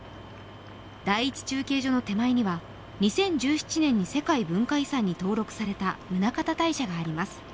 第１中継所の手前には２０１１年に世界遺産に登録された宗像大社があります。